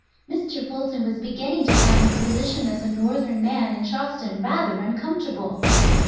Mr. Fulton was beginning to find his position as a northern man in Charleston rather uncomfortable.